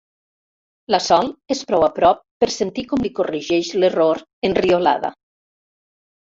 La Sol és prou a prop per sentir com li corregeix l'error, enriolada.